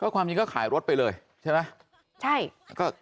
ความจริงก็ขายรถไปเลยใช่ไหม